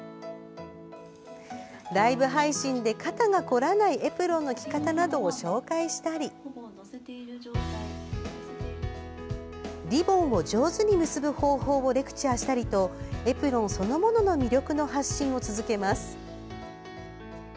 ライブ配信で肩がこらないエプロンの着方などを紹介したりリボンを上手に結ぶ方法をレクチャーしたりとエプロンそのものの魅力の発信を続けます。